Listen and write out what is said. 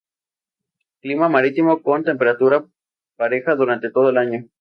Clima marítimo con temperatura pareja durante todo el año.